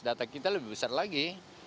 data kita lebih besar lagi